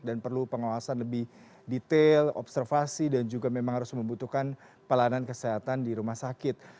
dan perlu pengawasan lebih detail observasi dan juga memang harus membutuhkan pelanan kesehatan di rumah sakit